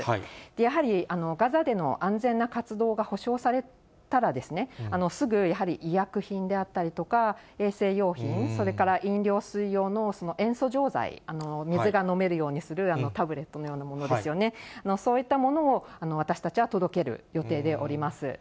やはりガザでの安全な活動が保障されたらすぐやはり医薬品であったりとか、衛生用品、それから飲料水用の塩素錠剤、水が飲めるようにするタブレットのようなものですよね、そういったものを私たちは届ける予定でおります。